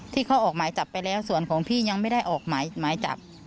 ที่เขาออกหมายจับไปแล้วส่วนของพี่ยังไม่ได้ออกหมายจับ